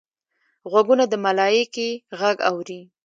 غوږونه د ملایکې غږ اوري